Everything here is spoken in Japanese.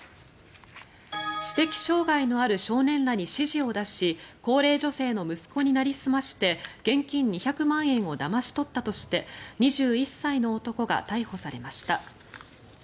知的障害のある少年らに指示を出し高齢女性の息子になりすまして現金２００万円をだまし取ったとして２１歳の男が逮捕されました。